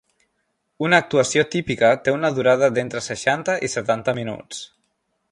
Una actuació típica té una durada d'entre seixanta i setanta minuts.